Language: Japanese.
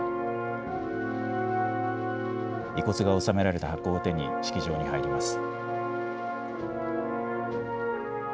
遺骨が納められた箱を手に、式場に入ります。